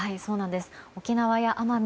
沖縄や奄美